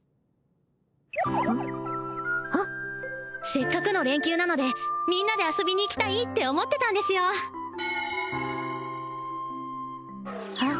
せっかくの連休なのでみんなで遊びに行きたいって思ってたんですよああ